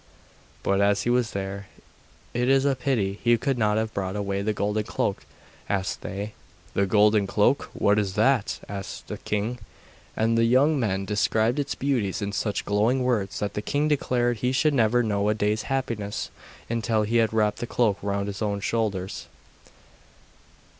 'But as he was there, it is a pity he could not have brought away the golden cloak,' added they. 'The golden cloak! what is that?' asked the king. And the young men described its beauties in such glowing words that the king declared he should never know a day's happiness till he had wrapped the cloak round his own shoulders.